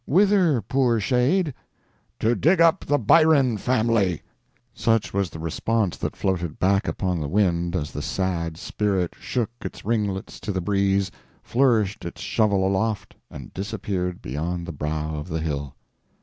"Whither, poor shade?" "TO DIG UP THE BYRON FAMILY!" Such was the response that floated back upon the wind as the sad spirit shook its ringlets to the breeze, flourished its shovel aloft, and disappeared beyond the brow of the hill.